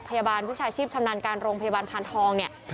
พยาบาลวิชาชีพชำนาญการโรงพยาบาลพานทองเนี่ย